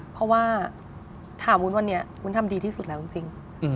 เพราะว่าถามวุ้นวันนี้วุ้นทำดีที่สุดแล้วจริง